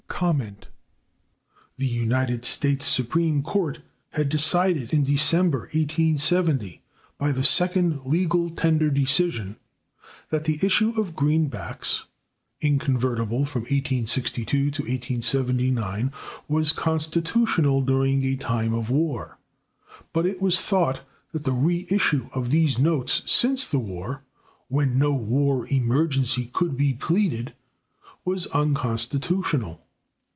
The United States Supreme Court had decided in December, 1870, by the second legal tender decision, that the issue of greenbacks (inconvertible from 1862 to 1879) was constitutional during a time of war; but it was thought that the reissue of these notes since the war, when no war emergency could be pleaded, was unconstitutional.